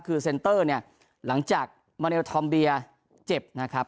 คือเซ็นเตอร์เนี่ยหลังจากมาเนลทอมเบียเจ็บนะครับ